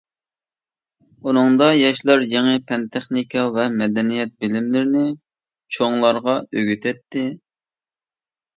ئۇنىڭدا ياشلار يېڭى پەن-تېخنىكا ۋە مەدەنىيەت بىلىملىرىنى چوڭلارغا ئۆگىتەتتى.